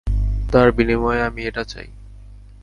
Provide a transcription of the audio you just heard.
তার বিনিময়ে আমি এটা চাই।